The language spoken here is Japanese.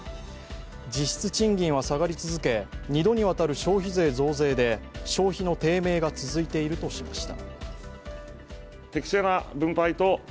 実質賃金は下がり続け、２度にわたる消費税増税で消費の低迷が続いているとしました。